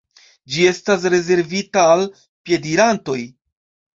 Ĝi estas rezervita al piedirantoj.